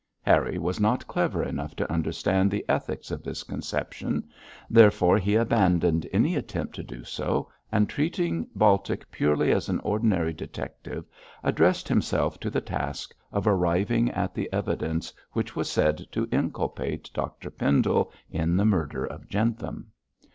Harry was not clever enough to understand the ethics of this conception, therefore he abandoned any attempt to do so, and treating Baltic purely as an ordinary detective, addressed himself to the task of arriving at the evidence which was said to inculpate Dr Pendle in the murder of Jentham.